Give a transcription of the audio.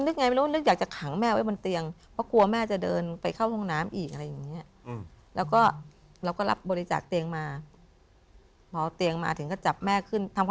ร่างคงแบบว่าแกกลับบ้านไม่ถูก